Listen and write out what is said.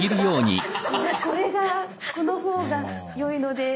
これがこのほうがよいので。